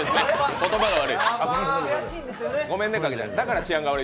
言葉が悪い。